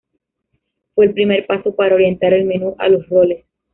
Fue el primer paso para orientar el menú a los roles.